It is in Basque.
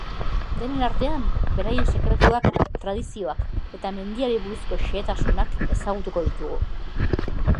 Denen artean, beraien sekretuak, tradizioak eta mendiari buruzko xehetasunak ezagutuko ditugu.